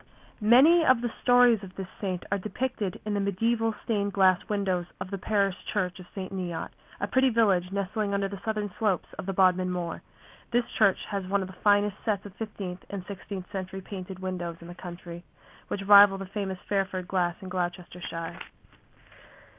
Many of the stories of this saint are depicted in the mediæval stained glass windows of the parish church of St. Neot, a pretty village nestling under the southern slopes of the Bodmin Moor. This church has one of the finest sets of fifteenth and sixteenth century painted windows in the country, which rival the famous Fairford glass in Gloucestershire.